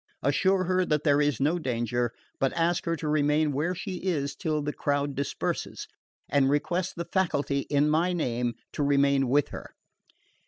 "Assure her that there is no danger, but ask her to remain where she is till the crowd disperses, and request the faculty in my name to remain with her."